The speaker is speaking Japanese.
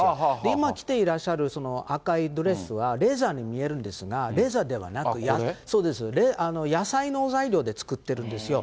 今着ていらっしゃる赤いドレスはレザーに見えるんですが、レザーではなく、そうです、野菜の材料で作ってるんですよ。